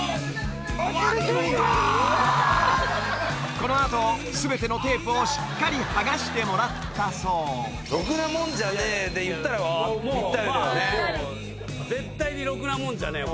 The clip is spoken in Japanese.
このあと全てのテープをしっかり剥がしてもらったそう「ろくなもんじゃねえ」で言ったらピッタリだよね絶対にろくなもんじゃねえよ